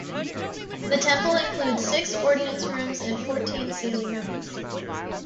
The temple includes six ordinance rooms and fourteen sealing rooms.